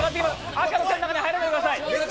赤の線の中に入らないでください。